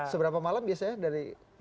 seberapa malam biasanya dari